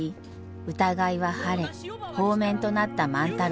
疑いは晴れ放免となった万太郎。